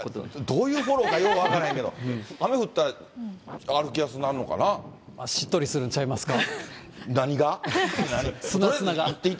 どういうフォローかよう分からんけど、雨降ったら、歩きやすしっとりするんちゃいますか。